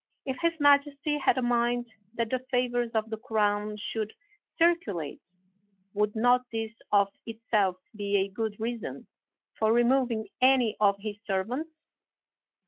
If his majesty had a mind that the favors of the crown should circulate, would not this of itself be a good rea son for removing any of his servants?